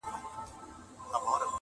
خانه ستا او د عُمرې یې سره څه،